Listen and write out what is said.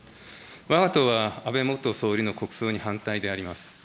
わが党は安倍元総理の国葬に反対であります。